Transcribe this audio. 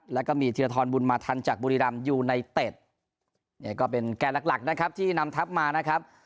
แล้วก็มีธีรทรบุญมาทันจากบุรีรำยูไนเต็ดเนี่ยก็เป็นแก่หลักหลักนะครับที่นำทัพมานะครับ